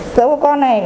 sữa của con này